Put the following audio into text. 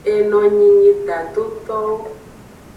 Enonyi nyi tadotowo.